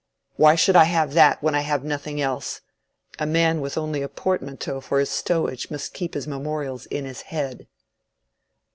"Why should I have that, when I have nothing else! A man with only a portmanteau for his stowage must keep his memorials in his head."